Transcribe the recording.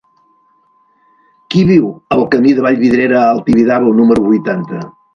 Qui viu al camí de Vallvidrera al Tibidabo número vuitanta?